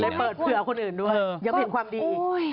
ไม่ได้เปิดเผื่อคนอื่นด้วยเยี่ยมเห็นความดี